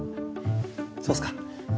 そうっすか。